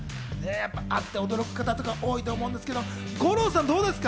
あって驚く方、多いと思いますけれど、五郎さん、どうですか？